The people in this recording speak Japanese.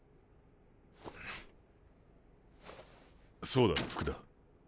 そうだ福田。